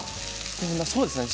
そうですね。